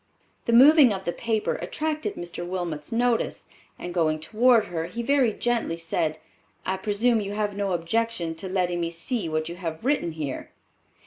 The moving of the paper attracted Mr. Wilmot's notice, and going toward her, he very gently said, "I presume you have no objection to letting me see what you have written here."